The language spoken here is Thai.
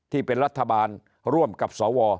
ที่เป็นรัฐบาลร่วมกับสว